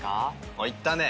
あっいったね。